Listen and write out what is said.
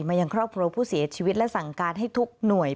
ยังครอบครัวผู้เสียชีวิตและสั่งการให้ทุกหน่วย